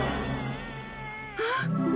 あっ！